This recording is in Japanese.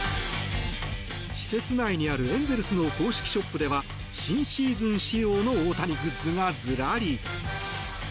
施設内にあるエンゼルスの公式ショップには新シーズン仕様の大谷グッズがずらり。